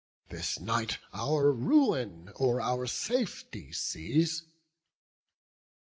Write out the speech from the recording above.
This night our ruin or our safety sees."